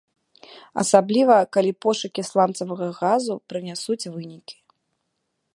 Асабліва, калі пошукі сланцавага газу прынясуць вынікі.